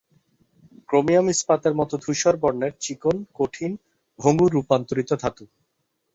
Chromium ইস্পাতের মতো ধূসর বর্ণের, চিকন, কঠিন, ভঙ্গুর রূপান্তরিত ধাতু।